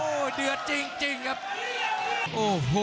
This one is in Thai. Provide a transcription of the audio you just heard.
คมทุกลูกจริงครับโอ้โห